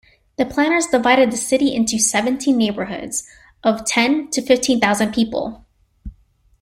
The planners divided the city into seventeen neighborhoods of ten to fifteen thousand people.